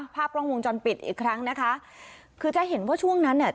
ภาพกล้องวงจรปิดอีกครั้งนะคะคือจะเห็นว่าช่วงนั้นเนี่ย